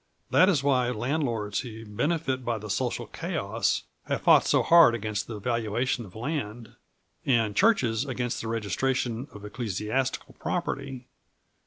That is why landlords who benefit by the social chaos have fought so hard against the valuation of land, and churches against the registration of ecclesiastical property.